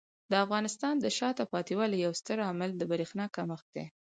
د افغانستان د شاته پاتې والي یو ستر عامل د برېښنا کمښت دی.